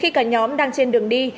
khi cả nhóm đang trên đường đi